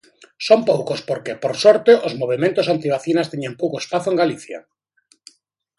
Son poucos porque, por sorte, os movementos antivacinas teñen pouco espazo en Galicia.